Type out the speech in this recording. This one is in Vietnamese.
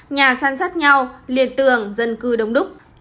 nhà săn sắt nhau liền tường dân cư đông đúc